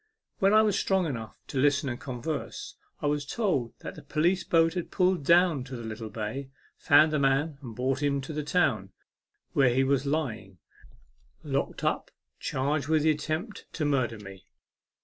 When I was strong enough to listen and converse, I was told that the police boat had pulled down to the little bay, found the man, and brought him to the town, where he was lying, locked up, charged with the attempt to murder me.